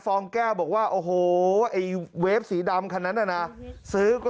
ฟองแก้วบอกว่าโอหูวเหยยเวฟสีดำฯนะนะซื้อก็